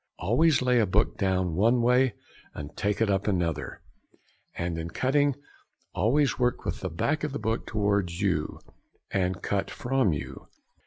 Always lay a book down one way and take it up another, and in cutting always work with the back of the book towards you, and cut from you.